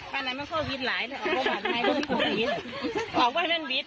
บ้านไหนมันพ่อวิทย์หลายเลยอ๋อบ้านใหม่มันพ่อวิทย์